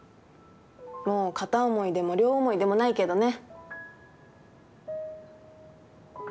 もう片思いでも両思いでもないけどね。